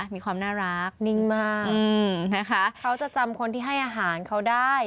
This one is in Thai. มีความน่ารักนิ่งมากนะคะเขาจะจำคนที่ให้อาหารเขาได้